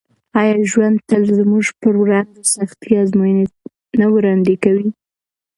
آیا ژوند تل زموږ پر وړاندې سختې ازموینې نه وړاندې کوي؟